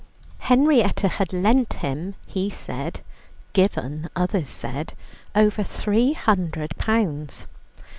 Henrietta had lent him, he said given, others said over three hundred pounds.